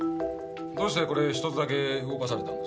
どうしてこれ１つだけ動かされたんです？